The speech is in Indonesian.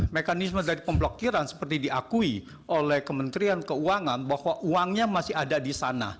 mekanisme dari pemblokiran seperti diakui oleh kementerian keuangan bahwa uangnya masih ada di sana